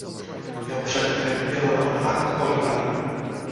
Jeho předkem byl Leonhard Euler.